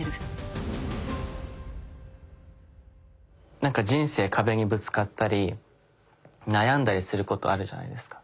なんか人生壁にぶつかったり悩んだりすることあるじゃないですか。